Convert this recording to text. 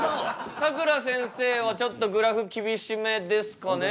さくらせんせいはちょっとグラフ厳しめですかね？